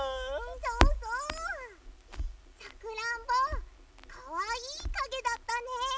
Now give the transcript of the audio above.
そうそう！さくらんぼかわいいかげだったね。